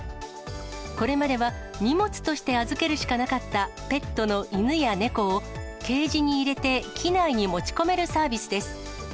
これまでは荷物として預けるしかなかったペットの犬や猫を、ケージに入れて機内に持ち込めるサービスです。